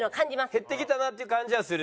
減ってきたなって感じはする？